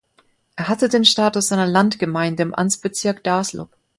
Er hatte den Status einer Landgemeinde im Amtsbezirk Darslub.